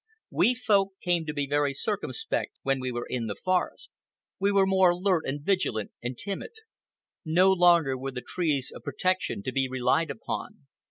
We Folk came to be very circumspect when we were in the forest. We were more alert and vigilant and timid. No longer were the trees a protection to be relied upon.